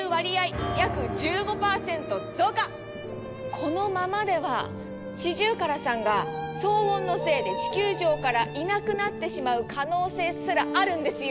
このままではシジュウカラさんが騒音のせいで地球上からいなくなってしまう可能性すらあるんですよ！